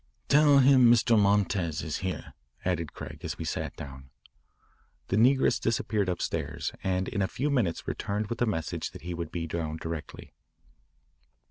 "Tell him Mr. Montez is here," added Craig as we sat down. The negress disappeared upstairs, and in a few minutes returned with the message that he would be down directly.